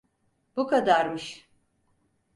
Bu kadarmış.